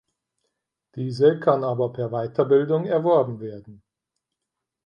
Diese kann aber per Weiterbildung erworben werden.